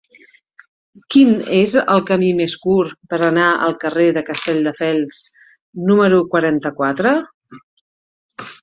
Quin és el camí més curt per anar al carrer de Castelldefels número quaranta-quatre?